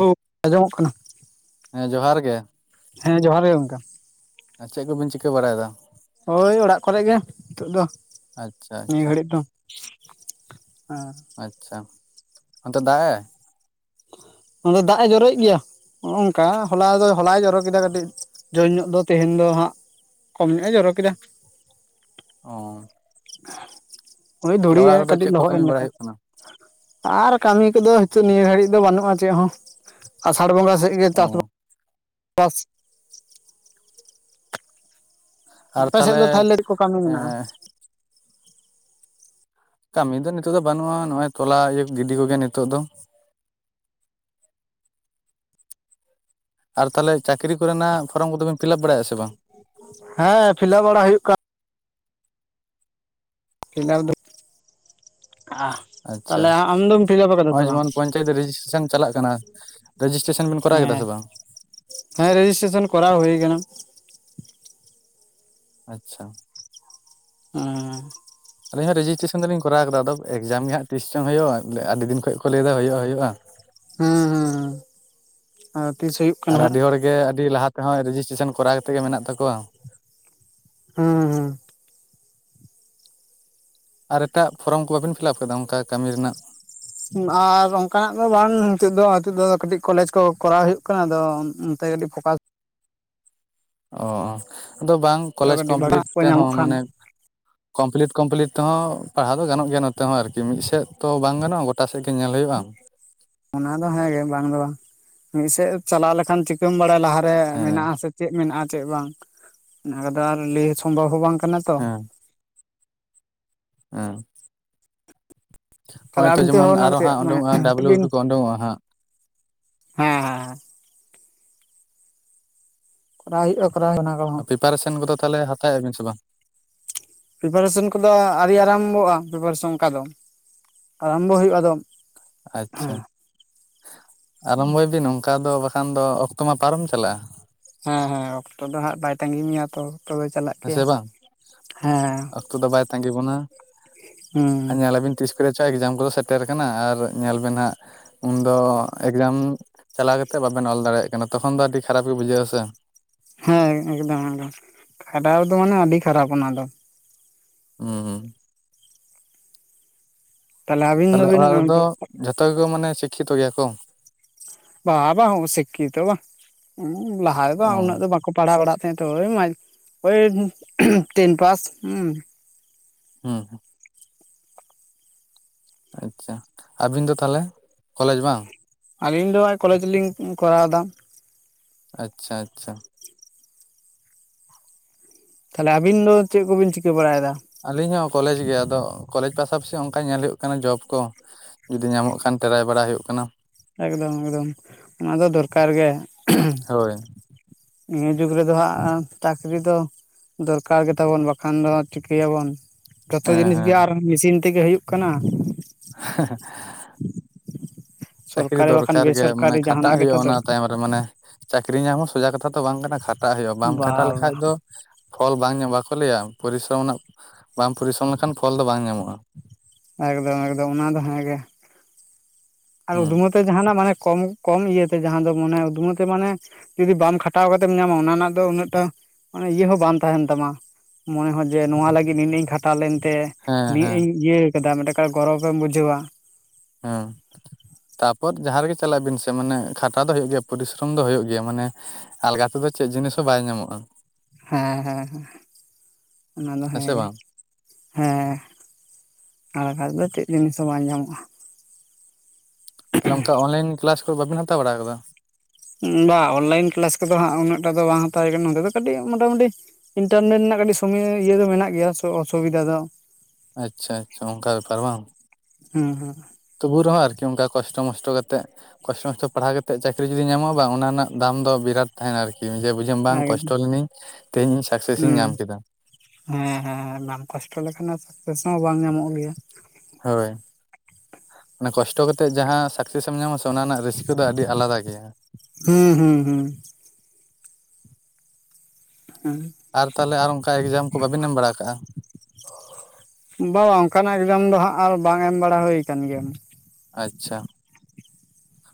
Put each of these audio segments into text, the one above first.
[unintelligible] ᱟᱸᱡᱚ ᱢᱚᱜ ᱠᱟᱱᱟ ᱦᱮᱸ ᱡᱚᱦᱟᱨ ᱜᱮ ᱦᱮᱸ ᱡᱚᱦᱟᱨ ᱜᱮ ᱜᱚᱝᱠᱮ ᱟᱨ ᱪᱮᱫ ᱠᱚᱵᱤᱱ ᱪᱤᱠᱟᱹ ᱵᱟᱲᱟᱭ ᱫᱟ ᱦᱳᱭ ᱚᱲᱟᱜ ᱠᱚᱨᱮ ᱜᱮ ᱱᱤᱛᱚᱜ ᱫᱚ ᱟᱪᱪᱷᱟ ᱱᱤᱭᱟᱹ ᱟᱪᱪᱷᱟ ᱜᱷᱟᱹᱲᱤᱡ ᱫᱚ ᱟᱨ ᱟᱪᱪᱷᱟ ᱚᱱᱛᱮ ᱫᱟᱜ ᱮ ᱱᱚᱛᱮ ᱫᱟᱜ ᱮ ᱡᱚᱨᱚᱭᱮᱫ ᱜᱮᱭᱟ ᱚᱝᱠᱟ ᱦᱚᱞᱟ ᱫᱚ ᱦᱚᱞᱟᱭ ᱡᱚᱨᱚ ᱠᱮᱫᱟ ᱠᱟᱹᱴᱤᱡ ᱡᱳᱨ ᱧᱱᱚᱜ ᱫᱚ ᱛᱮᱦᱮᱧ ᱫᱚ ᱦᱟᱸᱜ ᱠᱚᱢ ᱜᱩ ᱦᱟᱸᱜ ᱡᱚᱨᱚ ᱠᱮᱫᱟ ᱚ ᱦᱳᱭ ᱛᱟᱦᱞᱮ ᱫᱷᱩᱲᱤ ᱮ ᱚᱲᱟᱜ ᱨᱮᱫᱚ ᱠᱟᱹᱴᱤᱡ ᱪᱮᱫ ᱠᱚ ᱠᱟᱹᱢᱤ ᱞᱚᱦᱚᱮᱫ ᱵᱟᱲᱟᱭ ᱞᱮᱠᱟ ᱦᱩᱭᱩᱜ ᱠᱟᱱᱟ? ᱟᱨ ᱠᱟᱹᱢᱤ ᱠᱚᱫᱚ ᱦᱤᱛᱚ ᱱᱤᱭᱟᱹ ᱜᱷᱟᱹᱲᱤᱡ ᱫᱚ ᱵᱟᱹᱱᱩᱜᱼᱟ ᱪᱮᱫ ᱦᱚᱸ ᱟᱥᱟᱲ ᱵᱚᱸᱜᱟ ᱥᱮᱫ ᱜᱮ ᱚ ᱪᱟᱥ ᱵᱟᱥ ᱟᱯᱮ ᱥᱮᱫ ᱫᱚ ᱛᱟᱦᱚᱞᱮ ᱠᱚ ᱠᱟᱹᱢᱤ ᱢᱮᱱᱟᱜᱼᱟ ᱮᱸ ᱠᱟᱹᱢᱤ ᱫᱚ ᱱᱤᱛᱚᱜ ᱫᱚ ᱵᱟᱹᱱᱩᱜᱼᱟ ᱱᱚᱜᱚᱭ ᱛᱚᱞᱟ ᱤᱭᱟᱹ ᱜᱤᱰᱤ ᱠᱚᱜᱮ ᱱᱤᱛᱚᱜ ᱫᱚ ᱟᱨ ᱛᱟᱦᱞᱮ ᱪᱟᱹᱠᱨᱤ ᱠᱚᱨᱮᱱᱟᱜ ᱯᱷᱚᱨᱚᱢ ᱠᱚᱫᱚᱵᱮᱱ ᱯᱷᱤᱞᱟᱯ ᱵᱟᱲᱟᱭᱮᱼᱟ ᱥᱮ ᱵᱟᱝ ᱦᱮᱸ ᱯᱷᱞᱟ ᱵᱟᱲᱟ ᱦᱩᱭᱩᱜ ᱠᱟᱱ [unintelligible] ᱟᱜ ᱟᱪᱪᱷᱟ ᱛᱟᱦᱞᱮ ᱟᱢ ᱫᱚ ᱱᱚᱜᱼᱚᱭ ᱡᱮᱢᱚᱱ ᱯᱚᱧᱪᱟᱭᱮᱛ ᱨᱮᱡᱤᱥ ᱴᱨᱮᱥᱚᱱ ᱪᱟᱞᱟᱜ ᱠᱟᱱᱟ ᱨᱮᱡᱤᱥᱴᱮᱥᱚᱱ ᱵᱮᱱ ᱠᱚᱨᱟᱣ ᱠᱮᱫᱟ ᱦᱮᱸ ᱥᱮ ᱵᱟᱝ ᱦᱮᱸ ᱨᱮᱡᱤᱥᱴᱮᱥᱚᱱ ᱠᱚᱨᱟᱣ ᱦᱩᱭ ᱠᱟᱱᱟ ᱟᱪᱪᱷᱟ ᱦᱮᱸ ᱟᱹᱞᱤᱧ ᱦᱚᱸ ᱨᱮᱡᱤᱥᱴᱮᱥᱮᱱ ᱫᱚᱞᱤᱧ ᱠᱚᱨᱟᱣ ᱠᱟᱫᱟ ᱟᱫᱚ ᱮᱠᱡᱟᱢ ᱜᱮ ᱦᱟᱸᱜ ᱛᱤᱥᱪᱚᱝ ᱦᱩᱭᱩᱜᱼᱟ ᱟᱹᱰᱤ ᱫᱤᱱ ᱠᱷᱚᱡ ᱠᱚ ᱞᱟᱹᱭ ᱮᱫᱟ ᱦᱩᱭᱩᱜᱼᱟ ᱦᱩᱭᱩᱜᱼᱟ ᱦᱮᱸ ᱦᱮᱸ ᱟᱨ ᱛᱤᱥ ᱦᱩᱭᱩᱜ ᱠᱟᱱᱟ ᱦᱟᱸᱜ ᱜᱮ ᱟᱹᱰᱤ ᱞᱟᱦᱟ ᱛᱮᱦᱚᱸ ᱨᱮᱡᱤᱥᱴᱮᱥᱮᱱ ᱠᱚᱨᱟᱣ ᱠᱟᱛᱮ ᱜᱮ ᱢᱮᱱᱟᱜ ᱛᱟᱠᱚᱣᱟ ᱦᱩᱸ ᱦᱩᱸ ᱟᱨ ᱮᱴᱟᱜ ᱯᱷᱚᱨᱚᱢ ᱠᱚ ᱵᱟᱵᱤᱱ ᱯᱷᱤᱞᱟᱯ ᱠᱟᱫᱟ ᱚᱝᱠᱟ ᱠᱟᱹᱢᱤ ᱨᱮᱱᱟᱜ ᱟᱨ ᱚᱝᱠᱟᱱᱟᱜ ᱫᱚ ᱵᱟᱝ ᱱᱤᱛᱚᱜ ᱫᱚ ᱱᱤᱛᱚᱜ ᱫᱚ ᱠᱟᱹᱴᱤᱡ ᱠᱚᱞᱮᱡ ᱠᱚ ᱠᱚᱨᱟᱣ ᱦᱩᱭᱩᱜ ᱠᱟᱱᱟ ᱟᱫᱚ ᱚᱱᱛᱮ ᱠᱟᱹᱴᱤᱡ ᱯᱷᱚᱠᱟᱥ ᱚ ᱚ ᱟᱫᱚ ᱵᱟᱝ ᱦᱩᱭᱩᱜᱼᱟ ᱠᱚᱞᱮᱡᱽ ᱠᱟᱹᱴᱤᱡ ᱵᱷᱟᱜᱟᱜ ᱠᱚᱢᱯᱞᱤᱴ ᱠᱚ ᱧᱟᱢᱚᱜ ᱛᱮᱦᱚᱸ ᱠᱷᱟᱱ ᱢᱟᱱᱮ ᱠᱚᱢᱯᱤᱞᱤᱴ ᱠᱚᱢᱯᱤᱞᱤᱴ ᱛᱮᱦᱚᱸ ᱯᱟᱲᱦᱟᱣ ᱫᱚ ᱜᱟᱱᱚᱜ ᱜᱮᱭᱟ ᱱᱚᱛᱮ ᱦᱚᱸ ᱟᱨᱠᱤ ᱢᱤᱫ ᱥᱮᱫ ᱛᱚ ᱵᱟᱝ ᱜᱟᱱᱚᱜᱼᱟ ᱴᱟ ᱥᱮᱫ ᱜᱮ ᱧᱮᱞ ᱦᱩᱭᱩᱜᱼᱟᱢ ᱚᱱᱟ ᱫᱚ ᱦᱮᱸᱜᱮ ᱵᱟᱝ ᱫᱚ ᱵᱟᱝ ᱢᱤᱫ ᱥᱮᱫ ᱪᱟᱞᱟᱣ ᱞᱮᱠᱷᱟᱱ ᱪᱤᱠᱟᱹᱢ ᱵᱟᱲᱟᱭᱟ ᱞᱟᱦᱟᱨᱮ ᱦᱮᱸ ᱢᱮᱱᱟᱜ ᱟᱥᱮ ᱪᱮᱫ ᱢᱮᱱᱟᱜᱼᱟ ᱪᱮᱫ ᱵᱟᱝ ᱚᱱᱟ ᱠᱟᱫᱟ ᱟᱨ ᱞᱟᱹᱭ ᱥᱚᱢᱵᱷᱚᱵᱽ ᱦᱚᱸ ᱵᱟᱝ ᱠᱟᱱᱟ ᱛᱚ ᱦᱮᱸ ᱦᱮᱸ ᱛᱟᱦᱞᱮ ᱦᱚᱜᱼᱚᱭ ᱛᱚ ᱟᱵᱤᱱ ᱡᱮᱢᱚᱱ ᱛᱮᱦᱚᱸ ᱟᱨᱚ ᱦᱟᱸᱜ [unintelligible] ᱢᱟᱱᱮ ᱩᱰᱩᱝᱚᱜᱼᱟ ᱰᱟᱵᱞᱩ ᱵᱤᱱ ᱵᱤ ᱠᱚ ᱩᱰᱩᱝᱚᱜᱼᱟ ᱦᱟᱸᱜ ᱦᱮᱸ ᱦᱮᱸ ᱦᱮᱸ ᱠᱚᱨᱟᱣ ᱦᱩᱭᱩᱜᱼᱟ ᱠᱚᱨᱟᱣ ᱠᱚᱦᱚᱸ ᱟᱨ ᱯᱤᱯᱟᱨᱮᱥᱮᱱ ᱠᱚᱫᱚ ᱛᱟᱦᱚᱞᱮ ᱦᱟᱛᱟᱣᱮᱼᱟ ᱵᱤᱱ ᱥᱮ ᱵᱟᱝ ᱯᱨᱤᱯᱟᱨᱮᱥᱚᱱ ᱠᱚᱫᱚ ᱟᱹᱨᱤ ᱟᱨᱟᱢᱵᱚᱼᱟ ᱯᱨᱤᱯᱟᱨᱮᱥᱮ ᱚᱝᱠᱟ ᱫᱚ ᱟᱨᱚᱢᱵᱚ ᱦᱩᱭᱩᱜ ᱟᱫᱚ ᱦᱮᱸ ᱟᱪᱪᱷᱟ ᱟᱨᱚᱢᱵᱷᱚᱭ ᱵᱤᱱ ᱚᱝᱠᱟ ᱫᱚ ᱵᱟᱠᱷ ᱟᱠᱷᱟᱱ ᱫᱚ ᱚᱠᱛᱚ ᱢᱟ ᱯᱟᱨᱚᱢ ᱪᱟᱞᱟᱜᱼᱟ ᱦᱮᱸ ᱦᱮᱸ ᱚᱠᱛᱚ ᱫᱚ ᱦᱟᱸᱜ ᱵᱟᱭ ᱛᱟᱸᱜᱤ ᱢᱮᱭᱟ ᱛᱚ ᱚᱠᱛᱚ ᱫᱚ ᱪᱟᱞᱟᱜᱼᱟ ᱦᱮᱸ ᱥᱮ ᱵᱟᱝ ᱚᱠᱛᱚ ᱫᱚ ᱵᱟᱭ ᱛᱟᱸᱜᱤ ᱵᱚᱱᱟ ᱟᱨ ᱦᱩᱸ ᱧᱮᱞᱟ ᱵᱤᱱ ᱛᱤᱥ ᱠᱚᱨᱮ ᱪᱚ ᱮᱠᱡᱟᱢ ᱠᱚᱫᱚ ᱥᱮᱴᱮᱨ ᱟᱠᱟᱱᱟ ᱟᱨ ᱧᱮᱞ ᱵᱮᱱ ᱦᱟᱸᱜ ᱩᱱᱫᱚ ᱮᱠᱡᱟᱢ ᱪᱟᱞᱟᱣ ᱠᱟᱛᱮ ᱵᱟᱵᱮᱱ ᱚᱞ ᱫᱟᱲᱮᱭᱟᱜ ᱠᱟᱱᱟ ᱛᱚᱠᱷᱚᱱ ᱫᱚ ᱟᱹᱰᱤ ᱠᱷᱟᱨᱟᱯ ᱜᱮ ᱵᱩᱡᱷᱟᱹᱜ ᱟ ᱥᱮ ᱦᱮᱸ ᱮᱠᱫᱚᱢ ᱮᱠᱫᱚᱢ ᱠᱷᱟᱨᱟᱯ ᱫᱚ ᱢᱟᱱᱮ ᱟᱹᱰᱤ ᱠᱷᱟᱨᱟᱯ ᱚᱱᱟ ᱫᱚ ᱦᱩᱸ ᱦᱩᱸ ᱛᱟᱦᱚᱞᱮ ᱟᱹᱵᱤᱱ ᱛᱟᱦᱞᱮ ᱫᱚᱵᱤᱱ ᱚᱲᱟᱜ ᱨᱮᱫᱚ ᱡᱷᱚᱛᱚ ᱜᱮ ᱠᱚ ᱢᱟᱱᱮ ᱥᱤᱠᱠᱷᱤᱛᱚ ᱜᱮᱭᱟ ᱠᱚ ᱵᱟ ᱵᱟᱝ ᱥᱤᱠᱠᱷᱤᱛᱚ ᱵᱟ ᱞᱟᱦᱟ ᱨᱮᱫᱚ ᱚ ᱩᱱᱟᱹᱜ ᱫᱚ ᱵᱟᱠᱚ ᱯᱟᱲᱦᱟᱣ ᱵᱟᱲᱟᱜ ᱛᱟᱦᱮᱸ ᱛᱚ ᱳᱭ ᱳᱭ ᱴᱮᱱ ᱯᱟᱥ ᱦᱩᱸ ᱦᱩᱸ ᱟᱪᱪᱷᱟ ᱟᱹᱵᱤᱱ ᱫᱚ ᱛᱟᱦᱞᱮ ᱠᱚᱞᱮᱡᱽ ᱵᱟᱝ ᱟᱹᱞᱤᱧ ᱫᱚ ᱠᱚᱞᱮᱡᱽ ᱞᱤᱧ ᱠᱚ ᱨᱟᱣ ᱫᱟ ᱟᱪᱪᱷᱟ ᱟᱪᱪᱷᱟ ᱛᱟᱦᱞᱮ ᱟᱵᱤᱱ ᱫᱚ ᱪᱮᱫ ᱠᱚᱵᱤᱱ ᱪᱤᱠᱟᱹ ᱵᱟᱲᱟᱭ ᱫᱟ ᱟᱹᱞᱤᱧ ᱦᱚᱸ ᱠᱚᱞᱮᱡᱽ ᱜᱮ ᱟᱫᱚ ᱠᱚᱞᱮᱡᱽ ᱯᱟᱥᱟ ᱯᱟᱥᱤ ᱚᱱᱠᱟ ᱧᱮᱞ ᱦᱳᱭᱳᱜ ᱠᱟᱱᱟ ᱡᱚᱵ ᱠᱚ ᱡᱩᱫᱤ ᱧᱟᱢᱚᱜ ᱠᱷᱟᱱ ᱴᱮᱨᱟᱭ ᱵᱟᱲᱟ ᱦᱩᱭᱩᱜ ᱠᱟᱱᱟ ᱮᱠᱫᱚᱢ ᱮᱠᱫᱚᱢ ᱚᱱᱟ ᱫᱚ ᱫᱚᱨ ᱠᱟᱨ ᱜᱮ ᱦᱳᱭ ᱱᱤᱭᱟᱹ ᱡᱩᱜᱽ ᱨᱮ ᱫᱚ ᱦᱟᱸᱜ ᱪᱟᱠᱨᱤ ᱫᱚ ᱫᱚᱨ ᱠᱟᱨ ᱜᱮᱛᱟ ᱵᱚᱱ ᱵᱟ ᱠᱷᱟᱱ ᱫᱚ ᱴᱷᱤᱠᱟᱹᱭᱟ ᱵᱚᱱ ᱡᱷᱚᱛᱚ ᱦᱮᱸ ᱡᱤᱱᱤᱥ ᱦᱮᱸ ᱜᱮ ᱟᱨ ᱢᱮᱥᱤᱱ ᱛᱮ ᱜᱮ ᱦᱳᱭᱳᱜ ᱠᱟᱱᱟ [unintelligible] ᱪᱟᱹᱠᱨᱤ ᱥᱚᱨᱠᱟᱨᱤ ᱫᱚᱨ ᱵᱟᱠᱷᱟᱱ ᱠᱟᱨ ᱜᱮ ᱢᱟᱱᱮ ᱵᱮᱥᱚᱨᱠᱟᱨᱤ ᱠᱷᱟ ᱴᱟᱜ ᱡᱟᱦᱟᱱᱟᱜ ᱜᱮᱛᱚ ᱦᱳᱭᱳᱜᱼᱟ ᱚᱱᱟ ᱫᱚᱨᱠᱟᱨ ᱛᱟᱭᱚᱢ ᱨᱮ ᱢᱟ ᱱᱮ ᱪᱟᱹᱠᱨᱤ ᱧᱟᱢ ᱦᱚᱸ ᱥᱚᱡᱟ ᱠᱟᱛᱷᱟ ᱫᱚ ᱵᱟᱝ ᱠᱟᱱᱟ ᱠᱷᱟ ᱴᱟᱜ ᱦᱳᱭᱳᱜᱼᱟ ᱵᱟᱢ ᱠᱷᱟᱴᱟ ᱵᱟ ᱞᱮᱠᱷᱟᱡ ᱵᱟ ᱫᱚ ᱯᱷᱚᱞ ᱵᱟᱝ ᱧᱟᱢᱚᱜ ᱵᱟᱠᱚ ᱞᱟᱹᱭᱟ ᱯᱚᱨᱤ ᱥᱚᱢ ᱨᱮᱱᱟᱜ ᱵᱟᱢ ᱯᱚᱨᱤ ᱥᱚᱢ ᱞᱮ ᱠᱷᱟᱱ ᱯᱷᱚᱞ ᱫᱚ ᱵᱟᱝ ᱧᱟᱢᱚᱜᱼᱟ ᱮᱠᱫᱚᱢ ᱮᱠᱫᱚᱢ ᱚᱱᱟ ᱫᱚ ᱦᱮᱸ ᱜᱮ ᱟᱨ ᱦᱩᱸ ᱩᱫᱢᱟ ᱛᱮ ᱡᱟᱦᱟ ᱱᱟᱜ ᱢᱟᱱᱮ ᱠᱚᱢ ᱠᱚᱢ ᱤᱭᱟᱹᱛᱮ ᱡᱟᱦᱟᱸ ᱫᱚ ᱢᱚᱱᱮ ᱩᱫᱢᱟ ᱛᱮ ᱢᱟᱱᱮ ᱡᱩᱫᱤ ᱵᱟᱢ ᱠᱷᱟ ᱴᱟᱣ ᱠᱟᱛᱮᱢ ᱧᱟᱢ ᱟ ᱚᱱᱟ ᱨᱮᱱᱟᱜ ᱫᱚ ᱩᱱᱟᱹᱜ ᱴᱟ ᱤᱭᱟᱹ ᱦᱚᱸ ᱵᱟᱝ ᱛᱟᱦᱮᱱ ᱛᱟᱢᱟ ᱢᱚᱱᱮ ᱦᱚ ᱡᱮ ᱱᱚᱣᱟ ᱞᱟᱹᱜᱤᱫ ᱱᱤ ᱱᱟᱹᱜ ᱤᱧ ᱠᱷᱟ ᱴᱟᱣ ᱞᱮᱱ ᱛᱮ ᱦᱮᱸ ᱱᱤᱱᱟᱹᱜ ᱦᱮᱸ ᱤᱧ ᱤᱭᱟᱹ ᱟᱠᱟᱫᱟ ᱢᱤᱫ ᱴᱮᱱ ᱜᱚᱨᱚᱵᱽ ᱮᱢ ᱵᱩ ᱡᱷᱟᱹᱣᱟ ᱦᱮᱸ ᱛᱟᱯᱚᱨ ᱡᱟᱦᱟᱸ ᱨᱮ ᱜᱮ ᱪᱟᱞᱟᱜ ᱵᱤᱱ ᱥᱮ ᱢᱟᱱᱮ ᱠᱷᱟᱴᱟ ᱫᱚ ᱦᱳᱭᱳᱜ ᱜᱮ ᱭᱟ ᱯᱚᱨᱤᱥ ᱥᱚᱨᱚᱢ ᱫᱚ ᱦᱳᱭᱳᱜ ᱜᱮᱭᱟ ᱢᱟᱱᱮ ᱟᱞᱜᱟ ᱛᱮ ᱫᱚ ᱪᱮᱫ ᱡᱤᱱᱤᱥ ᱦᱚᱸ ᱵᱟᱭ ᱧᱟ ᱢᱚᱜᱼᱟ ᱦᱮᱸ ᱦᱮᱸ ᱚᱱᱟ ᱫᱚ ᱦᱮᱸ ᱥᱮ ᱜᱮ ᱵᱟᱝ ᱦᱮᱸ ᱟᱨ ᱵᱟᱠᱷᱟᱡ ᱫᱚ ᱪᱮᱫ ᱡᱤᱱᱤᱥ ᱦᱚᱸ ᱵᱟᱝ ᱧᱟ ᱢᱚᱜᱼᱟ ᱛᱟᱦᱞᱮ ᱚᱱᱠᱟ ᱚᱱ ᱞᱟᱭᱤᱱ ᱠᱮᱞᱟᱥ ᱠᱚ ᱵᱟ ᱵᱤᱱ ᱦᱟᱛᱟᱣ ᱵᱟ ᱲᱟ ᱟᱠᱟᱫᱟ ᱵᱟ ᱚᱱᱞᱟᱭᱤᱱ ᱠᱮᱞᱟᱥ ᱠᱚ ᱫᱚ ᱦᱟᱸᱜ ᱩᱱᱟᱹᱜ ᱴᱟ ᱫᱚ ᱵᱟᱝ ᱦᱟᱛᱟᱣ ᱠᱟᱱᱟ ᱱᱚᱰᱮ ᱫᱚ ᱠᱟᱴᱤᱡ ᱢᱚᱴᱟ ᱢᱩᱴᱤ ᱤᱱᱴᱟᱨ ᱱᱮᱴ ᱨᱮᱱᱟᱜ ᱠᱟᱹᱴᱤᱡ ᱥᱩᱢᱳᱭ ᱤᱭᱟᱹ ᱫᱚ ᱢᱮᱱᱟᱜ ᱜᱮᱭᱟ ᱚᱥᱩᱵᱤᱫᱷᱟ ᱫᱚ ᱟᱪᱪᱷᱟ ᱟᱪᱪᱷᱟ ᱚᱱᱠᱟ ᱵᱮ ᱯᱟᱨ ᱵᱟᱝ ᱦᱩᱸ ᱛᱚᱵᱩ ᱨᱮ ᱦᱚᱸ ᱟᱨᱠᱤ ᱚᱱᱠᱟ ᱠᱚᱥᱴᱚ ᱢᱚᱥᱴᱚ ᱠᱟᱛᱮᱫ ᱠᱚᱥᱴᱚ ᱢᱚᱥᱴᱚ ᱯᱟᱲ ᱦᱟᱣ ᱠᱟᱛᱮᱫ ᱪᱟᱹᱠᱨᱤ ᱡᱩᱫᱤ ᱧᱟᱢᱚᱜᱼᱟ ᱵᱟᱝ ᱚᱱᱟ ᱨᱮᱱᱟᱜ ᱫᱟᱢ ᱫᱚ ᱵᱤᱨᱟᱴ ᱛᱟᱦᱮ ᱱᱟ ᱟᱨᱠᱤ ᱡᱷᱮ ᱵᱩᱡᱷᱟᱹᱢ ᱵᱟᱝ ᱮᱠᱫᱚᱢ ᱠᱚᱥᱴᱚ ᱞᱮᱱᱟᱹᱧ ᱛᱮᱦᱮᱧ ᱤᱧ ᱥᱟᱠ ᱥᱮᱥ ᱤᱧ ᱦᱩᱸ ᱧᱟᱢ ᱠᱮᱫᱟ ᱦᱮᱸ ᱦᱮᱸ ᱵᱟᱢ ᱠᱚᱥᱴᱚ ᱞᱮᱠᱷᱟᱱ ᱥᱟᱠ ᱥᱮᱥ ᱦᱚᱸ ᱵᱟᱝ ᱧᱟ ᱢᱚᱜ ᱜᱮᱭᱟ ᱦᱳᱭ ᱢᱟᱱᱮ ᱠᱚᱥᱴᱚ ᱠᱟᱛᱮᱫ ᱡᱟᱦᱟᱸ ᱥᱟᱠ ᱥᱮᱥ ᱮᱢ ᱧᱟᱢ ᱟ ᱥᱮ ᱚᱱᱟ ᱨᱮᱱᱟᱜ ᱨᱟᱹᱥᱠᱟᱹ ᱫᱚ ᱟᱹᱰᱤ ᱟᱞᱟ ᱫᱟ ᱜᱮᱭᱟ ᱦᱩᱸ ᱦᱩᱸ ᱦᱩᱸ ᱦᱩᱸ ᱟᱨ ᱛᱟᱦᱞᱮ ᱟᱨ ᱚᱱᱠᱟ ᱮᱠ ᱡᱟᱢ ᱠᱚ ᱵᱟᱵᱤᱱ ᱮᱢ ᱵᱟᱲᱟ ᱠᱟᱜᱼᱟ ᱵᱟᱝ ᱚᱱᱠᱟ ᱱᱟᱜ ᱮᱠ ᱡᱟᱢ ᱫᱚ ᱦᱟᱸᱜ ᱟᱨ ᱵᱟᱝ ᱮᱢ ᱵᱟᱲᱟ ᱦᱳᱭ ᱠᱟᱱ ᱜᱮᱭᱟ ᱟᱪᱪᱷᱟ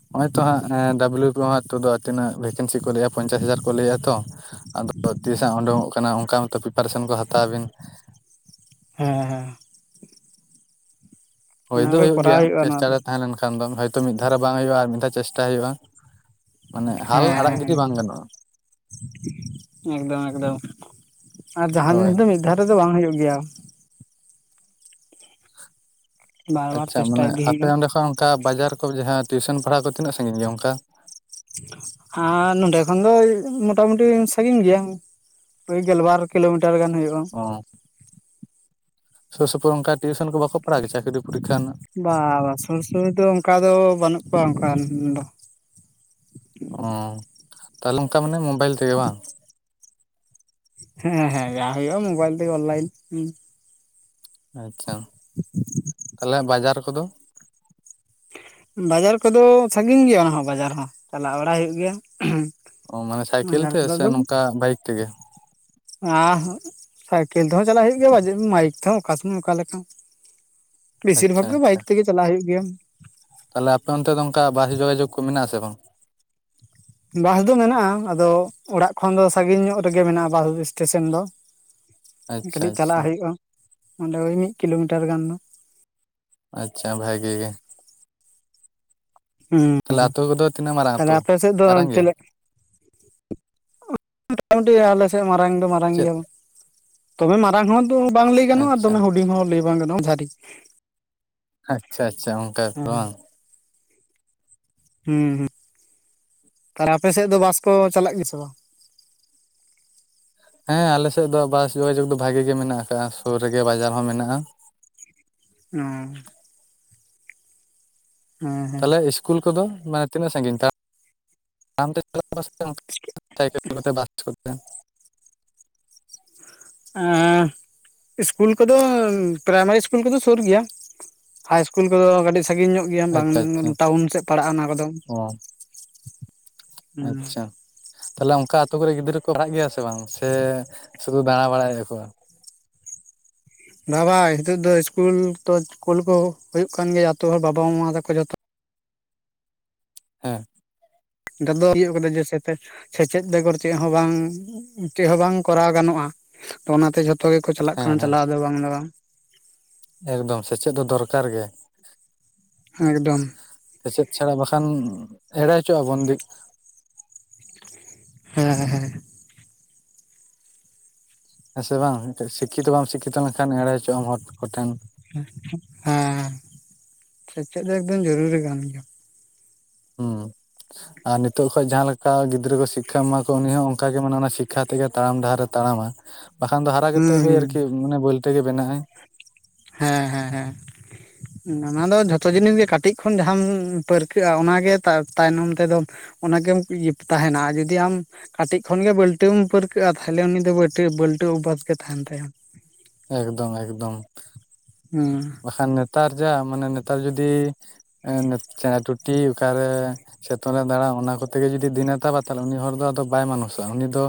ᱱᱚᱜᱼᱚᱭ ᱛᱚ ᱦᱟᱸᱜ ᱰᱟᱵᱞᱳ ᱵᱤ ᱦᱟᱜ ᱛᱚᱫᱚᱜ-ᱟ ᱛᱤᱱᱟᱹᱜ ᱵᱷᱮ ᱠᱮᱱᱥᱤ ᱠᱚ ᱞᱟᱹᱭᱼᱟ ᱯᱚᱧ ᱪᱟᱥ ᱦᱟᱡᱟᱨ ᱠᱚ ᱞᱟᱹᱭ ᱮᱜᱼᱟ ᱛᱚ ᱟᱫᱚ ᱛᱤᱥ ᱦᱟᱸᱜ ᱩᱰᱩᱝ ᱚᱜ ᱠᱟᱱᱟ ᱚᱱᱠᱟ ᱢᱟ ᱛᱚ ᱯᱨᱤᱯᱟᱨᱮ ᱥᱚᱱ ᱠᱚ ᱦᱟᱛᱟᱣ ᱵᱤᱱ ᱦᱮᱸ ᱦᱮᱸ ᱦᱳᱭ ᱫᱚ ᱚᱱᱟᱜᱮ ᱦᱳᱭᱳᱜ ᱜᱮ ᱠᱚᱨᱟᱣ ᱭᱟ ᱦᱩᱭᱩᱜᱼᱟ ᱱᱚᱣᱟ ᱪᱮᱥᱴᱟ ᱫᱚ ᱨᱮ ᱛᱟᱦᱮᱸ ᱞᱮᱱ ᱠᱷᱟᱱ ᱫᱚ ᱦᱚᱭ ᱛᱳ ᱢᱤᱫ ᱫᱷᱟᱣ ᱨᱮ ᱵᱟᱝ ᱦᱳᱭᱳᱜᱼᱟ ᱟᱨ ᱢᱤᱫ ᱫᱷᱟᱣ ᱪᱮᱥ ᱴᱟ ᱦᱳᱭᱳᱜᱼᱟ ᱦᱮᱸ ᱦᱮᱸ ᱦᱮᱸ ᱮᱠᱫᱚᱢ ᱮᱠᱫᱚᱢ ᱟᱨ ᱡᱟᱦᱟᱸ ᱦᱳᱭ ᱡᱤᱱᱤᱥ ᱫᱚ ᱢᱤᱫ ᱫᱷᱟᱣ ᱨᱮ ᱫᱚ ᱵᱟᱝ ᱦᱩᱭᱩᱜ ᱜᱮᱭᱟ ᱵᱟᱨ ᱵᱟᱨ ᱟᱪᱪᱷᱟ ᱪᱮᱥᱴᱟ ᱢᱟᱱᱮ ᱤᱫᱤ ᱟᱯᱮ ᱦᱩᱭᱩᱜᱼᱟ ᱚᱸᱰᱮ ᱠᱷᱚᱱ ᱚᱱᱠᱟ ᱵᱟᱡᱟᱨ ᱠᱚ ᱡᱟᱦᱟᱸ ᱴᱤᱭᱩ ᱥᱚᱱ ᱯᱟᱲ ᱦᱟᱣ ᱠᱚ ᱛᱤᱱᱟᱹᱜ ᱥᱟᱸᱜᱤᱧ ᱜᱮᱭᱟ ᱚᱱᱠᱟ ᱟ ᱱᱚᱸᱰᱮ ᱠᱷᱚᱱ ᱫᱚ ᱢᱚᱴᱟ ᱢᱩᱴᱤ ᱥᱟᱸᱜᱤᱧ ᱜᱮᱭᱟ ᱢᱤᱫ ᱜᱮᱞ ᱵᱟᱨ ᱠᱤᱞᱳ ᱢᱤᱴᱟᱨ ᱜᱟᱱ ᱦᱳᱭᱳᱜᱼᱟ ᱚ ᱥᱳᱨ ᱥᱳᱯᱳᱨ ᱚᱱᱠᱟ ᱴᱤᱭᱩᱥᱮᱱ ᱠᱚ ᱵᱟᱠᱚ ᱯᱟᱲ ᱦᱟᱣ [unintelligible] ᱪᱟᱹᱠᱨᱤ ᱯᱚᱨᱤᱠᱠᱷᱟ ᱨᱮᱱᱟᱜ ᱵᱟ ᱥᱩᱨ ᱥᱩᱨ ᱫᱚ ᱚᱱᱠᱟ ᱫᱚ ᱵᱟᱹᱱᱩᱜ ᱠᱚᱣᱟ ᱚᱱᱠᱟ ᱫᱚ ᱚᱻ ᱛᱟᱦᱞᱮ ᱚᱱᱠᱟ ᱢᱟᱱᱮ ᱢᱳᱵᱟᱭᱮᱞ ᱛᱮ ᱜᱮ ᱵᱟᱝ ᱦᱮᱸ ᱦᱮᱸ ᱡᱟ ᱦᱳᱭᱳᱜᱼᱟ ᱢᱳᱵᱟᱭᱮᱞ ᱛᱮ ᱜᱮ ᱚᱱ ᱞᱟᱭᱤᱱ ᱦᱩ ᱟᱪᱪᱷᱟ ᱛᱟᱦᱞᱮ ᱦᱟᱜ ᱵᱟᱡᱟᱨ ᱠᱚ ᱫᱚ ᱵᱟᱡᱟᱨ ᱠᱚ ᱫᱚ ᱥᱟᱹᱜᱤᱧ ᱜᱮᱭᱟ ᱚᱱᱟ ᱦᱚᱸ ᱵᱟᱡᱟᱨ ᱦᱚᱸ ᱪᱟᱞᱟᱣ ᱵᱟᱲᱟ ᱦᱳᱭᱳᱜ ᱜᱮᱭᱟ ᱚ ᱢᱟᱱᱮ ᱥᱟᱭᱠᱮᱞ ᱵᱟᱡᱟᱨ ᱛᱮ ᱠᱚᱫᱚ ᱥᱮ ᱟᱫᱚ ᱱᱚᱝᱠᱟ ᱵᱟᱭᱤᱠ ᱛᱮ ᱜᱮ ᱟᱨ ᱦᱚ ᱥᱟᱭᱠᱮᱞ ᱛᱮ ᱦᱚᱸ ᱪᱟᱞᱟᱜ ᱦᱳᱭᱳᱜ ᱜᱮᱭᱟ ᱵᱟᱭᱤᱠ ᱛᱮ ᱦᱚᱸ ᱚᱠᱟ ᱥᱳᱢᱚᱭ ᱚᱠᱟ ᱞᱮᱠᱟ ᱵᱮᱥᱤᱨ ᱟᱪᱪᱷᱟ ᱵᱷᱟᱜ ᱜᱮ ᱵᱟᱭᱤᱠ ᱛᱮ ᱜᱮ ᱪᱟᱞᱟᱜ ᱦᱩᱭᱳᱜ ᱜᱮᱭᱟ ᱛᱟᱦᱞᱮ ᱟᱯᱮ ᱚᱱᱛᱮ ᱫᱚ ᱚᱱᱠᱟ ᱵᱟᱥ ᱡᱳᱜᱟ ᱡᱳᱜᱽ ᱠᱚ ᱢᱮᱱᱟᱜ ᱟᱥᱮ ᱵᱟᱝ ᱵᱟᱥ ᱫᱚ ᱢᱮᱱᱟᱜᱼᱟ ᱟᱫᱚ ᱚᱲᱟᱜ ᱠᱷᱚᱱ ᱫᱚ ᱥᱟᱹᱜᱤᱧ ᱧᱚᱜ ᱨᱮ ᱜᱮ ᱢᱮᱱᱟᱜᱼᱟ ᱵᱟᱥ ᱮᱥᱴᱮ ᱥᱚᱱ ᱫᱚ [inaudible] ᱠᱟᱹᱴᱤᱡ ᱟᱪᱪᱷᱟ ᱪᱟᱞᱟᱜ ᱦᱳᱭᱳᱜᱼᱟ ᱚᱸᱰᱮ [unintelligible] ᱢᱤᱫ ᱠᱤᱞᱳ ᱢᱤᱴᱟᱨ ᱜᱟᱱ ᱫᱚ ᱟᱪᱪᱷᱟ ᱵᱷᱟᱜᱮ ᱜᱮ ᱦᱩᱸ ᱛᱟᱦᱚᱞᱮ ᱦᱩᱸ ᱟᱹᱛᱩ ᱠᱚᱫᱚ ᱛᱤᱱᱟᱹᱜ ᱢᱟᱨᱟᱝ ᱛᱟᱦᱞᱮ ᱟᱹᱛᱩ ᱟᱯᱮ ᱥᱮᱫ ᱫᱚ ᱢᱟᱨᱟᱝ ᱜᱮᱭᱟ ᱪᱮᱫ [unintelligible] ᱢᱚᱴᱟ ᱢᱩᱴᱤ ᱟᱞᱮ ᱥᱮᱫ ᱢᱟᱨᱟᱝ ᱫᱚ ᱢᱟᱨᱟᱝ ᱜᱮ ᱪᱮᱫ ᱭᱟ ᱫᱚᱢᱮ ᱢᱟᱨᱟᱝ ᱦᱚᱸ ᱫᱚ ᱵᱟᱝ ᱞᱟᱹᱭ ᱜᱟᱱᱚᱜᱼᱟ ᱫᱚ ᱟᱪᱪᱷᱟ ᱢᱮ ᱦᱩᱰᱤᱧ ᱦᱚᱸ ᱞᱟᱹᱭ ᱵᱟᱝ ᱜᱟᱱᱚᱜ-ᱟ [unintelligible] ᱟᱪᱪᱷᱟ ᱟᱪᱪᱷᱟ ᱚᱱᱠᱟ [unintelligible] ᱦᱮᱸ ᱦᱮᱸ ᱵᱟᱝ ᱦᱩᱸ ᱦᱩᱸ ᱛᱟᱦᱞᱮ ᱟᱯᱮ ᱥᱮᱫ ᱫᱚ ᱵᱟᱥ ᱠᱚ ᱪᱟᱞᱟᱜ ᱜᱮ ᱥᱮ ᱵᱟᱝ ᱦᱮᱸ ᱟᱞᱮ ᱥᱮᱫ ᱫᱚ ᱵᱟᱥ ᱡᱳᱜᱟ ᱡᱳᱜᱽ ᱫᱚ ᱵᱷᱟᱜᱮ ᱜᱮ ᱢᱮᱱᱟᱜ ᱟᱠᱟᱜ ᱟ ᱥᱳᱨ ᱨᱮ ᱜᱮ ᱵᱟᱡᱟᱨ ᱦᱚᱸ ᱢᱮᱱᱟᱜᱼᱟ [unintelligible] ᱦᱮᱸ ᱦᱮᱸ ᱛᱟᱦᱞᱮ ᱤᱥᱠᱩᱞ ᱠᱚ ᱫᱚ ᱢᱟᱱᱮ ᱛᱤᱱᱟᱹᱜ ᱥᱟᱹᱜᱤᱧ ᱛᱟᱲ ᱟᱢ ᱛᱮ ᱯᱮ [unintelligible] ᱮᱻ ᱤᱥᱠᱩᱞ ᱠᱚ ᱫᱚ ᱯᱮᱨᱟᱭ ᱢᱟᱨᱤ ᱤᱥᱠᱩᱞ ᱠᱚ ᱫᱚ ᱥᱳᱨ ᱜᱮᱭᱟ ᱦᱟᱭ ᱤᱥᱠᱩᱞ ᱠᱚ ᱫᱚ ᱠᱟᱹᱴᱤᱡ ᱥᱟᱹᱜᱤᱧ ᱧᱚᱜ ᱜᱮ ᱵᱟᱝ ᱟᱪᱪᱷᱟ ᱟᱪᱪᱷᱟ ᱴᱟᱣᱩᱱ ᱥᱮᱫ ᱯᱟᱲᱟᱜᱼᱟ ᱚᱱᱟ ᱠᱚ ᱫᱚ ᱚ ᱦᱩᱸ ᱛᱟᱦᱞᱮ ᱚᱱᱠᱟ ᱟᱛᱳ ᱠᱚᱨᱮ ᱜᱤᱫᱽᱨᱟᱹ ᱠᱚ ᱯᱟᱲ ᱦᱟᱜ ᱜᱮᱭᱟ ᱥᱮ ᱵᱟᱝ ᱥᱮ ᱥᱩᱫᱩ ᱫᱟᱬᱟ ᱵᱟᱲᱟᱭ ᱮᱫᱟ ᱠᱚ [unintelligible] ᱦᱤᱛᱚᱜ ᱫᱚ ᱤᱥᱠᱩᱞ ᱠᱚ ᱠᱩᱞ ᱠᱚ ᱦᱩᱭᱩᱜ ᱠᱟᱱ ᱜᱮᱭᱟ ᱟᱛ ᱦᱚᱲ ᱵᱟᱵᱟ ᱢᱟ ᱛᱟᱠᱚ ᱡᱷᱚᱛᱚ ᱦᱮᱸ ᱜᱟᱫᱚ ᱦᱩᱭᱩᱜ ᱠᱟᱫᱟ ᱡᱮᱥᱮ ᱥᱮᱪᱮᱫ ᱵᱮᱜᱚᱨ ᱪᱮᱫ ᱦᱚᱸ ᱵᱟᱝ ᱪᱮᱫ ᱦᱚᱸ ᱵᱟᱝ ᱠᱚᱨᱟᱣ ᱜᱟᱱᱚᱜᱼᱟ ᱛᱚ ᱚᱱᱟ ᱛᱮ ᱜᱮ ᱡᱷᱚᱛᱚ ᱜᱮ ᱠᱚ ᱪᱟᱞᱟᱜ ᱦᱮᱸ ᱠᱟᱱᱟ ᱦᱮᱸ ᱪᱟᱞᱟᱣ ᱫᱚ ᱵᱟᱝ ᱫᱚ ᱵᱟᱝ ᱮᱠᱫᱚᱢ ᱥᱮᱪᱮᱫ ᱫᱚ ᱫᱚᱨ ᱠᱟᱨ ᱜᱮ ᱮᱠᱫᱚᱢ ᱥᱮᱪᱮᱫ ᱪᱷᱟᱲᱟ ᱵᱟᱠᱷᱟᱱ ᱮᱲᱮ ᱦᱚᱪᱚᱜᱼᱟ ᱵᱚᱱ ᱦᱮᱸᱮᱸ ᱦᱮᱸ ᱦᱮᱸ ᱥᱮ ᱵᱟᱝ ᱥᱤᱠᱠᱷᱤ ᱛᱚ ᱵᱟᱢ ᱥᱤᱠᱠᱷᱤ ᱛᱚ ᱞᱮᱱ ᱠᱷᱟᱱ ᱮᱲᱮ ᱦᱚᱪᱚᱜ ᱟᱢ ᱦᱚᱲ ᱠᱚ ᱴᱷᱮᱱ ᱦᱮᱸ ᱥᱮᱪᱮᱫ ᱫᱚ ᱮᱠᱫᱚᱢ ᱡᱚᱨᱩᱨᱤ ᱠᱟᱱ ᱜᱮᱭᱟ ᱦᱩᱸ ᱟᱨ ᱱᱤᱛᱳᱜ ᱠᱷᱚᱡ ᱡᱟᱦᱟᱸ ᱞᱮᱠᱟ ᱜᱤᱫᱽᱨᱟᱹ ᱠᱚ ᱥᱤᱠᱠᱷᱟ ᱮᱢᱟ ᱠᱚᱣᱟ ᱩᱱᱤ ᱦᱚᱸ ᱚᱱᱠᱟ ᱜᱮ ᱢᱮ ᱚᱱᱟ ᱥᱤᱠᱠᱷᱟ ᱛᱮ ᱜᱮ ᱛᱟᱲᱟᱢ ᱰᱟᱦᱟᱨ ᱛᱟᱲᱟᱢ ᱟᱭ ᱵᱟ ᱠᱷᱟᱱ ᱫᱚ ᱦᱟᱨᱟ ᱠᱟᱛᱮᱫ ᱦᱩᱸ ᱳᱭ ᱦᱩᱸ ᱟᱨᱠᱤ ᱢᱟᱱᱮ ᱵᱟᱹᱞᱴᱟᱹ ᱜᱮ ᱵᱮᱱᱟᱜ ᱟᱭ ᱦᱮᱸ ᱦᱮᱸ ᱦᱮᱸ [unintelligible] ᱚᱱᱟ ᱫᱚ ᱡᱷᱚᱛᱚ ᱡᱤᱱᱤᱥ ᱜᱮ ᱠᱟᱹᱴᱤᱡ ᱠᱷᱚᱱ ᱡᱟᱦᱟᱸᱟᱢ ᱯᱟᱹᱨ ᱠᱟᱹᱜᱼᱟ ᱚᱱᱟ ᱜᱮ ᱛᱟᱭᱱᱚᱢ ᱛᱮ ᱫᱚ ᱚᱱᱟ ᱜᱮᱢ ᱛᱟᱦᱮ ᱱᱟ ᱡᱩᱫᱤ ᱟᱢ ᱠᱟᱹᱴᱤᱡ ᱠᱷᱚᱱ ᱜᱮ ᱵᱟᱹᱞ ᱴᱟᱹᱢ ᱯᱟᱹᱨ ᱠᱟᱹᱜᱼᱟ ᱛᱟᱦᱚ ᱞᱮ ᱩᱱᱤ ᱫᱚᱹ ᱵᱟᱹᱞᱴᱟᱹ ᱚᱵᱷᱟᱥ ᱜᱮ ᱛᱟᱦᱮᱱ ᱛᱟᱭᱟ ᱮᱠᱫᱚᱢ ᱮᱠᱫᱚᱢ ᱦᱮᱸ ᱵᱟ ᱠᱷᱟᱱ ᱱᱮᱛᱟᱨ ᱡᱟ ᱢᱟᱱᱮ ᱱᱮᱛᱟᱨ ᱡᱩᱫᱤ ᱪᱮᱬᱮ ᱴᱩᱴᱤ ᱚᱠᱟ ᱨᱮ ᱪᱮᱛᱚᱱᱮ ᱫᱟᱬᱟ ᱚᱱᱟ ᱠᱚᱛᱮᱜ ᱜᱮ ᱡᱩᱫᱤ ᱫᱤᱱᱮ ᱛᱟᱵᱟ ᱛᱟᱦᱚᱞᱮ, ᱩᱱᱤ ᱦᱚᱲ ᱫᱚ ᱟᱫᱚ ᱵᱟᱭ ᱢᱟᱱᱩᱥᱚᱜᱼᱟ᱾ ᱩᱱᱤ ᱫᱚ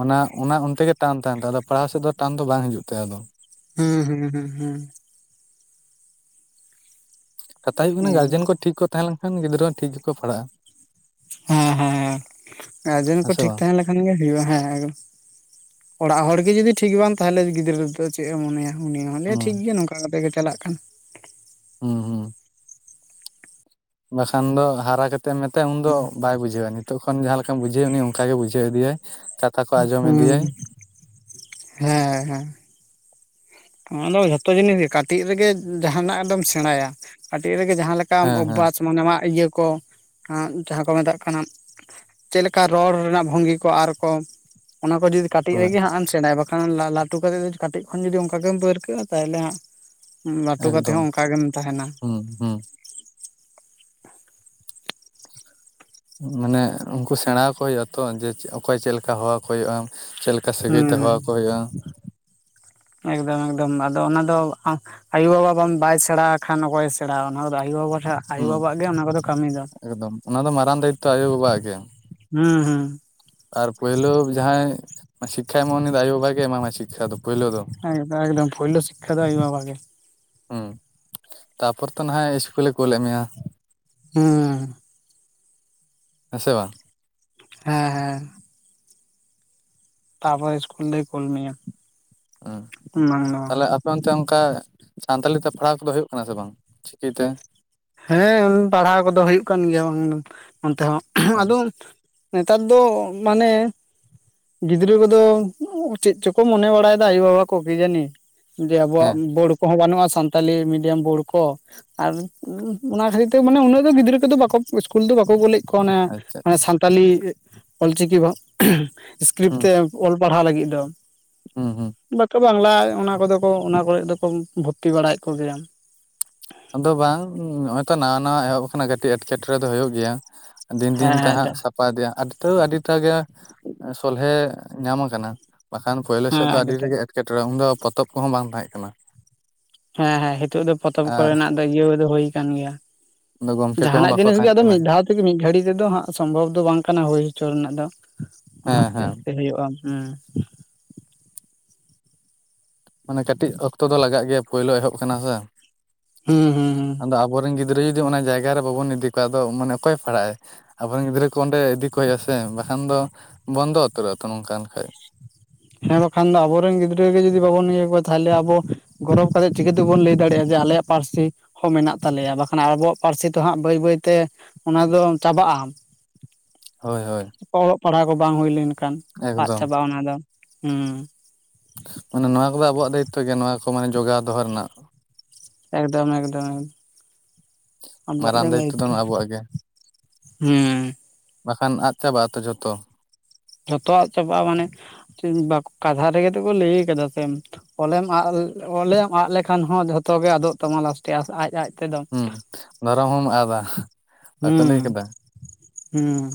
ᱚᱱᱟ ᱚᱱᱟ ᱚᱱᱛᱮ ᱜᱮ ᱴᱟᱱ ᱛᱟᱦᱮᱱ ᱛᱟᱭᱟ᱾ ᱟᱫᱚ ᱯᱟᱲᱦᱟᱣ ᱥᱮᱫ ᱫᱚ ᱴᱟᱱ ᱫᱚ ᱵᱟᱝ ᱦᱤᱡᱩᱜ ᱛᱟᱭᱟ ᱟᱫᱚ᱾ ᱦᱩᱸ ᱦᱩᱸ ᱦᱩᱸ ᱦᱩᱸ ᱠᱟᱛᱷᱟ ᱦᱩᱭᱩᱜ ᱠᱟᱱᱟ, ᱜᱟᱨᱡᱮᱱ ᱠᱚ ᱴᱷᱤᱠ ᱠᱚ ᱛᱟᱦᱮᱸ ᱞᱮᱱᱠᱷᱟᱱ ᱜᱤᱫᱽᱨᱟᱹ ᱦᱚᱸ ᱴᱷᱤᱠ ᱜᱮᱠᱚ ᱯᱟᱲᱦᱟᱜᱼᱟ᱾ ᱦᱮᱸ ᱦᱮᱸᱮᱸ ᱜᱟᱨᱡᱮᱱ ᱦᱮᱸ ᱠᱚ ᱥᱮ ᱴᱷᱤᱠ ᱵᱟᱝ ᱛᱟᱦᱮ ᱠᱷᱟᱱ ᱜᱮ ᱦᱩᱭᱩᱜᱼᱟ ᱦᱮᱸ ᱮ, ᱚᱲᱟᱜ ᱦᱚᱲ ᱜᱮ ᱡᱩᱫᱤ ᱴᱷᱤᱠ ᱵᱟᱝ ᱛᱟᱦᱚᱞᱮ ᱜᱤᱫᱽᱨᱟᱹ ᱟᱫᱚ ᱪᱮᱫ ᱮ ᱢᱚᱱᱮᱭᱟ᱾ ᱩᱱᱤ ᱦᱚᱸᱞᱮ ᱴᱷᱤᱠ ᱦᱩᱸ ᱜᱮᱭᱟ, ᱱᱚᱝᱠᱟ ᱠᱟᱛᱮᱜ ᱜᱮ ᱪᱟᱞᱟᱜ ᱠᱟᱱ᱾ ᱦᱮᱸ ᱦᱮᱸ ᱵᱟᱠᱷᱟᱱ ᱫᱚ ᱦᱟᱨᱟ ᱠᱟᱛᱮᱫ ᱮᱢ ᱢᱮᱛᱟᱭᱟ ᱩᱱᱫᱚ ᱵᱟᱭ ᱵᱩᱡᱷᱟᱹᱣᱟ᱾ ᱱᱤᱛᱚᱜ ᱠᱷᱚᱱ ᱡᱟᱦᱟᱸ ᱞᱮᱠᱟᱢ ᱵᱩᱡᱷᱟᱹᱣ ᱩᱱᱤ ᱚᱱᱠᱟᱜᱮ ᱵᱩᱡᱷᱟᱹᱣ ᱤᱫᱤᱭᱟᱭ᱾ ᱠᱟᱛᱷᱟ ᱠᱚ ᱟᱸᱡᱚᱢ ᱤᱫᱤᱭᱟᱭ ᱦᱩᱸ ᱦᱮᱸ ᱦᱮᱸ᱾ ᱱᱚᱣᱟ ᱫᱚ ᱡᱷᱚᱛᱚ ᱡᱤᱱᱤᱥ ᱜᱮ ᱠᱟᱹᱴᱤᱡ ᱨᱮᱜᱮ ᱡᱟᱦᱟᱸᱱᱟᱜ ᱫᱚᱢ ᱥᱮᱬᱟᱭᱟ᱾ ᱠᱟᱹᱴᱤᱡ ᱨᱮᱜᱮ ᱡᱟᱦᱟᱸ ᱞᱮᱠᱟ ᱥᱟᱠᱟᱢ ᱦᱮᱸ ᱦᱮᱸ ᱚᱵᱷᱟᱥ ᱢᱟᱱᱮ ᱤᱭᱟᱹ ᱠᱚ, ᱡᱟᱦᱟᱸ ᱠᱚ ᱢᱮᱛᱟᱜ ᱠᱟᱱᱟ᱾ ᱪᱮᱫ ᱞᱮᱠᱟ ᱨᱚᱲ ᱨᱮᱱᱟᱜ ᱵᱷᱚᱝᱜᱤ ᱠᱚ ᱟᱨᱠᱚ, ᱚᱱᱟ ᱠᱚ ᱡᱩᱫᱤ ᱠᱟᱹᱴᱤᱡ ᱦᱳᱭ ᱨᱮᱜᱮ ᱦᱟᱸᱜ ᱮᱢ ᱥᱮᱬᱟᱭᱟ᱾ ᱵᱟᱠᱷᱟᱱ ᱞᱟᱹᱴᱩ ᱠᱟ ᱠᱟᱛᱮᱫ ᱠᱟᱹᱴᱤᱡ ᱠᱷᱚᱱ ᱡᱩᱫᱤ ᱚᱱᱠᱟ ᱜᱮᱢ ᱯᱟᱹᱨᱠᱟᱹᱜᱼᱟ ᱛᱟᱦᱚᱞᱮ ᱦᱟᱸᱜ, ᱞᱟᱹᱴᱩ ᱠᱟᱛᱮᱜ ᱮᱠᱫᱚᱢ ᱦᱚᱸ ᱚᱱᱠᱟ ᱜᱮᱢ ᱛᱟᱦᱮᱱᱟ᱾ ᱦᱩᱸ ᱦᱩᱸ ᱢᱟᱱᱮ ᱩᱱᱠᱩ ᱥᱮᱬᱟ ᱟᱠᱚ ᱦᱩᱭᱩᱜᱼᱟ ᱛᱚ, ᱡᱮ ᱚᱠᱚᱭ ᱪᱮᱫᱮ ᱞᱮᱠᱟ ᱦᱚᱣᱟᱠᱚ ᱦᱩᱭᱩᱜᱼᱟ᱾ ᱪᱮᱞᱮᱠ ᱠᱟ ᱥᱟᱹᱜᱟᱹᱭ ᱦᱩᱸ ᱛᱮᱦᱚᱣᱟ ᱠᱚ ᱦᱩᱭᱩᱜᱼᱟ᱾ ᱮᱠᱫᱚᱢ ᱮᱠᱫᱚᱢ ᱟᱫᱚ ᱚᱱᱟ ᱫᱚ ᱟᱢ ᱟᱭᱳᱵᱟᱵᱟ ᱵᱟ ᱵᱟᱭ ᱥᱮᱬᱟ ᱠᱷᱟᱱ ᱚᱠᱚᱭᱮ ᱥᱮᱬᱟ ᱚᱱᱟᱫᱚ ᱟᱭᱳᱵᱟᱵᱟ ᱦᱟᱜ ᱦᱩᱸ ᱟᱭᱩ-ᱵᱟᱵᱟᱜ ᱜᱮ ᱚᱱᱟ ᱠᱚᱫᱚ ᱠᱟᱹᱢᱤ ᱫᱚ ᱮᱠᱫᱚᱢ ᱚᱱᱟ ᱫᱚ ᱢᱟᱨᱟᱝ ᱫᱟᱭᱤᱛᱛᱚ ᱟᱭᱳᱼᱵᱟᱵᱟᱣᱟᱜ ᱜᱮ [inaudible] ᱦᱩᱸ ᱦᱩᱸ ᱟᱨ ᱯᱳᱭᱞᱳ ᱡᱟᱦᱟᱸᱭ ᱥᱤᱠᱠᱷᱟᱭ ᱮᱢᱢᱟ᱾ ᱩᱱᱤ ᱫᱚ ᱟᱭᱚ-ᱵᱟᱵᱟ ᱜᱮ ᱮᱢᱟᱢᱟᱭ ᱥᱤᱠᱠᱷᱟ ᱫᱚ ᱯᱳᱭᱞᱳ ᱫᱚ ᱾ ᱮᱠᱫᱚᱢ ᱯᱳᱭᱞᱳ ᱥᱤᱠᱷᱟ ᱫᱚ ᱟᱭᱳ-ᱵᱟᱵᱟ ᱜᱮ ᱾ ᱦᱚᱸ ᱛᱟᱯᱚᱨ ᱛᱚ ᱱᱟᱦᱟᱸᱜ ᱤᱥᱠᱩᱞᱮ ᱠᱩᱞ ᱞᱮᱫ ᱢᱮᱭᱟ ᱾ ᱦᱮᱸ ᱦᱮᱸ ᱥᱮ ᱵᱟᱝ ᱦᱮᱸ ᱦᱮᱸ ᱛᱟᱯᱚᱨ ᱤᱥᱠᱩᱞ ᱫᱳᱭ ᱠᱩᱞ ᱢᱤᱭᱟ ᱾ ᱦᱮᱸ ᱛᱟᱦᱞᱮ ᱟᱯᱮ ᱚᱱᱛᱮ ᱚᱱᱠᱟ ᱥᱟᱱᱛᱟᱲᱤ ᱛᱮ ᱯᱟᱲᱦᱟᱣ ᱠᱚᱫᱚ ᱦᱩᱭᱩᱜ ᱠᱟᱱᱟ ᱥᱮ ᱵᱟᱝ? ᱪᱤ ᱠᱤ ᱛᱮ ᱦᱮᱸ ᱯᱟᱲᱦᱟᱣ ᱠᱚᱫᱚ ᱦᱩᱭᱩᱜ ᱠᱟᱱ ᱜᱮᱭᱟ ᱵᱟᱝ ᱚᱱᱛᱮ ᱦᱚᱸ ᱟᱸ ᱟᱫᱚ ᱱᱮᱛᱟᱨ ᱫᱚ ᱢᱟᱱᱮ ᱜᱤᱫᱽᱨᱟᱹ ᱠᱚᱫᱚ ᱪᱮᱫ ᱪᱚᱠᱚ ᱢᱚᱱᱮ ᱵᱟᱲᱟᱭᱮᱫᱟ ᱟᱭᱳ ᱵᱟᱵᱟ ᱠᱚ ᱡᱟᱹᱱᱤ ᱾ ᱡᱮ ᱟᱵᱚᱣᱟᱜ ᱦᱮᱸ ᱵᱳᱲ ᱠᱚᱦᱚᱸ ᱵᱟᱹᱱᱩᱜᱼᱟ, ᱥᱟᱱᱛᱟᱞᱤ ᱢᱤᱰᱤᱭᱟᱢ ᱵᱳᱲ ᱠᱚ ᱟᱨ ᱚᱸ ᱚᱱᱟ ᱠᱷᱟᱹᱛᱤᱨ ᱛᱮ ᱢᱟᱱᱮ ᱩᱱᱟᱹᱜ ᱫᱚ ᱜᱤᱫᱽᱨᱟᱹ ᱠᱚᱫᱚ ᱵᱟᱠᱚ ᱤᱥᱠᱩᱞ ᱫᱚ ᱵᱟᱠᱚ ᱵᱚᱞᱮᱫ ᱠᱚ ᱚᱱᱮ ᱟᱪᱪᱷᱟ ᱢᱟᱱᱮ ᱥᱟᱱᱛᱟᱞᱤ ᱚᱞ ᱪᱤᱠᱤ ᱵᱷᱚ ᱤᱥᱠᱨᱤᱯᱴ ᱛᱮ᱾ ᱚᱞ ᱯᱟᱲᱦᱟᱣ ᱞᱟᱹᱜᱤᱫ ᱫᱚ ᱾ ᱦᱮᱸ ᱦᱮᱸ ᱵᱟᱠᱚ ᱵᱟᱝᱞᱟ ᱚᱱᱟ ᱠᱚᱫᱚ ᱠᱚ ᱚᱱᱟ ᱠᱚᱨᱮᱫ ᱫᱚᱠᱚ ᱵᱷᱩᱨᱛᱤ ᱵᱟᱲᱟᱭᱮᱫ ᱠᱚᱜᱮᱭᱟ ᱾ ᱟᱫᱚ ᱵᱟᱝ ᱱᱚᱜᱼᱚᱭ ᱛᱚ ᱱᱟᱣᱟ ᱱᱟᱣᱟ ᱮᱦᱚᱵ ᱟᱠᱟᱱᱟ ᱠᱟᱹᱴᱤᱡ ᱮᱸᱴᱠᱮᱴᱚᱬᱮ ᱫᱚ ᱦᱩᱭᱩᱜ ᱜᱮᱭᱟ ᱾ ᱫᱤᱱ ᱫᱤᱱ ᱦᱮᱸ ᱛᱮ ᱦᱮᱸ ᱦᱟᱸᱜ ᱫᱟ ᱥᱟᱯᱷᱟ ᱤᱫᱮᱭᱟ ᱛᱟᱹᱣ, ᱟᱹᱰᱤ ᱟᱹᱰᱤ ᱴᱟᱜ ᱜᱮ ᱥᱚᱞᱦᱮ ᱧᱟᱢ ᱟᱠᱟᱱᱟ ᱾ ᱵᱟᱠᱷᱟᱱ ᱯᱳᱭᱞᱳ ᱦᱮᱸ ᱥᱮᱫ ᱫᱚ ᱟᱹᱰᱤ ᱟᱹᱰᱤᱜᱮ ᱛᱮᱫ ᱮᱴᱠᱮᱴᱚᱬᱮ ᱩᱱ ᱫᱚ ᱯᱚᱛᱚᱵ ᱠᱚᱦᱚᱸ ᱵᱟᱝ ᱛᱟᱦᱮᱸᱫ ᱠᱟᱱᱟ ᱾ ᱦᱮᱸ ᱦᱮᱸ ᱦᱤᱛᱚᱜ ᱫᱚ ᱯᱚᱛᱚᱵ ᱟᱨ ᱠᱚᱨᱮᱱᱟᱜ ᱫᱚ ᱤᱭᱟᱹ ᱫᱚ ᱦᱩᱭ ᱠᱟᱱ ᱜᱮᱭᱟ ᱾ ᱜᱚᱢᱠᱮ ᱠᱚᱦᱚᱸ ᱡᱟᱦᱟᱸᱱᱟᱜ ᱵᱟᱠᱚ ᱡᱤᱱᱤᱥ ᱜᱮ ᱛᱟᱦᱮᱸ ᱟᱫᱚ ᱠᱟᱱᱟ ᱢᱤᱫ ᱫᱷᱟᱣ ᱛᱮ ᱢᱤᱫ ᱜᱷᱟᱹᱲᱤᱡ ᱛᱮᱫᱚ ᱦᱟᱸᱜ ᱥᱚᱢᱵᱷᱚᱵᱽ ᱫᱚ ᱵᱟᱝ ᱠᱟᱱᱟ ᱦᱩᱭ ᱦᱚᱪᱚ ᱨᱮᱱᱟᱜ ᱫᱚ ᱾ [inaudible] ᱟᱥᱛᱮ ᱦᱮᱸ ᱟᱥᱛᱮ ᱦᱩᱭᱩᱜᱼᱟ ᱦᱮᱸ ᱾ ᱢᱟᱱᱮ ᱠᱟᱹᱴᱤᱡ ᱚᱠᱛᱚ ᱫᱚ ᱞᱟᱜᱟᱜ ᱜᱮᱭᱟ, ᱯᱳᱭᱞᱳ ᱮᱦᱚᱵ ᱠᱟᱱᱟ ᱥᱮ ᱾ ᱦᱩᱸ ᱦᱩᱸ ᱦᱩᱸ ᱟᱫᱚ ᱟᱵᱚᱨᱮᱱ ᱜᱤᱫᱽᱨᱟᱹ ᱡᱩᱫᱤ ᱚᱱᱟ ᱡᱟᱭᱜᱟ ᱨᱮ ᱵᱟᱵᱚᱱ ᱤᱫᱤ ᱠᱚᱣᱟ, ᱟᱫᱚ ᱢᱟᱱᱮ ᱚᱠᱚᱭ ᱯᱟᱲᱦᱟᱜᱼᱟ ᱾ ᱟᱵᱚᱨᱮᱱ ᱜᱤᱫᱽᱨᱟᱹ ᱠᱚ ᱚᱸᱰᱮ ᱤᱫᱤ ᱠᱚ ᱦᱩᱭᱩᱜᱼᱟ ᱥᱮ ᱵᱟᱠᱷᱟᱱ ᱫᱚ, ᱵᱚᱱᱫᱚ ᱩᱛᱟᱹᱨᱚᱜ ᱟ ᱛᱚ ᱱᱚᱝᱠᱟ ᱞᱮ ᱠᱷᱟᱱ᱾ ᱦᱮᱸ ᱵᱟᱠᱷᱟᱱ ᱫᱚ ᱟᱵᱚᱨᱮᱱ ᱜᱤᱫᱽᱨᱟᱹ ᱜᱮ ᱡᱩᱫᱤ ᱵᱟᱵᱚᱱ ᱤᱭᱟᱹ ᱠᱚᱣᱟ, ᱛᱟᱦᱚᱞᱮ ᱟᱵᱚ ᱜᱚᱨᱚᱵᱽ ᱠᱟᱛᱮ ᱪᱤᱠᱟᱹ ᱛᱮᱵᱚᱱ ᱞᱟᱹᱭ ᱫᱟᱲᱮᱭᱟᱜᱼᱟ ᱡᱮ ᱟᱞᱮᱭᱟᱜ ᱯᱟᱹᱨᱥᱤ ᱦᱚᱸ ᱢᱮᱱᱟᱜ ᱛᱟᱞᱮᱭᱟ, ᱵᱟᱠᱷᱟᱱ ᱟᱵᱚᱣᱟᱜ ᱯᱟᱹᱨᱥᱤ ᱛᱮᱦᱟᱸᱜ ᱵᱟᱹᱭ ᱵᱟᱹᱭᱛᱮ ᱚᱱᱟ ᱫᱚ ᱪᱟᱵᱟᱜᱼᱟ ᱾ ᱦᱳᱭ ᱦᱳᱭ ᱚᱞᱚᱜ ᱯᱟᱲᱦᱟᱜ ᱠᱚ ᱵᱟᱝ ᱦᱩᱭ ᱞᱮᱱ ᱠᱷᱟᱱ, ᱟᱫ ᱮᱠᱫᱚᱢ ᱪᱟᱵᱟᱜᱼᱟ ᱚᱱᱟ ᱫᱚ ᱦᱮᱸ᱾ ᱢᱟᱱᱮ ᱱᱚᱣᱟ ᱠᱚᱫᱚ ᱟᱵᱚᱣᱟᱜ ᱫᱟᱭᱤᱛᱛᱚ ᱜᱮ, ᱱᱚᱣᱟ ᱠᱚ ᱢᱟᱱᱮ ᱡᱚᱜᱟᱣ ᱫᱚᱦᱚ ᱨᱮᱱᱟᱜ᱾ ᱮᱠᱫᱚᱢ ᱮᱠᱫᱚᱢ ᱟᱵᱚᱣᱟᱜ ᱢᱟᱨᱟᱝ ᱜᱮ ᱫᱚ ᱫᱟᱭᱤᱛᱛᱚ᱾ ᱟᱵᱚᱣᱟᱜ ᱜᱮ ᱦᱮᱸ ᱵᱟᱠᱷᱟᱱ ᱟᱫ ᱪᱟᱵᱟᱜᱼᱟᱛᱚ ᱡᱷᱚᱛᱚ ᱾ ᱡᱷᱚᱛᱚᱣᱟᱜ ᱪᱟᱵᱟᱜᱼᱟ ᱢᱟᱱᱮ, ᱵᱟ ᱠᱟᱛᱷᱟ ᱨᱮᱜᱮ ᱛᱮᱠᱚ ᱞᱟᱹᱭ ᱠᱟᱫᱟ ᱥᱮ ᱚᱞᱮᱢ ᱟᱫ ᱚᱞᱮᱢ ᱟᱫ ᱞᱮᱠᱷᱟᱱ ᱦᱚᱸ ᱡᱷᱚᱛᱚ ᱜᱮ ᱟᱫᱚᱜ ᱛᱟᱢᱟ ᱞᱟᱥᱴᱮ ᱟᱡᱼᱟᱡ ᱦᱩᱸ ᱫᱷᱚᱨᱚᱢ ᱦᱚᱢ ᱟᱫᱟ ᱞᱟᱹᱭ ᱠᱟᱫᱟ ᱾ ᱦᱮᱸ